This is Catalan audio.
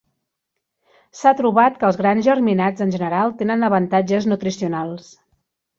S'ha trobat que els grans germinats en general tenen avantatges nutricionals.